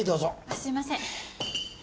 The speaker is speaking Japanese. すいません。